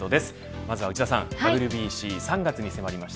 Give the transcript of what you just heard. まずは内田さん、ＷＢＣ３月に迫りました